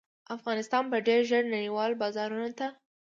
افغانستان به ډیر ژر نړیوالو بازارونو ته